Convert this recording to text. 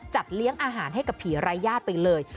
เลี้ยงอาหารให้กับผีรายญาติไปเลย